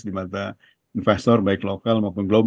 di mata investor baik lokal maupun global